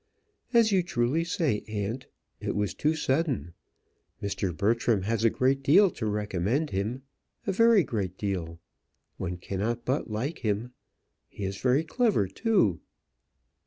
"As you truly say, aunt; it was too sudden. Mr. Bertram has a great deal to recommend him; a very great deal; one cannot but like him. He is very clever too."